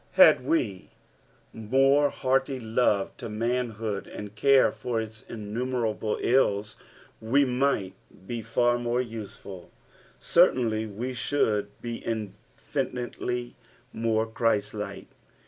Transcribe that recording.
Had we more heart; love to manhood, and care for its innumerable ills, we might be far more luelul ; certainly we should be iofinitelj more Christ like.